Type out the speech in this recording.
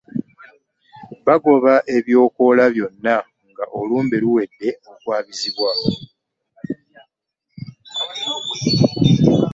Bagoba ebyokoola byonna ng'olumbe luwedde okwabizibwa.